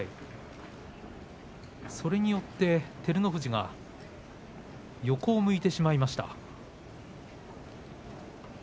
それによって照ノ富士が横を向いてしまいました。